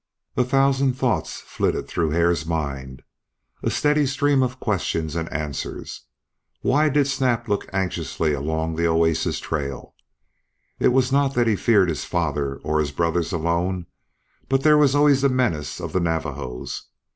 A thousand thoughts flitted through Hare's mind a steady stream of questions and answers. Why did Snap look anxiously along the oasis trail? It was not that he feared his father or his brothers alone, but there was always the menace of the Navajos.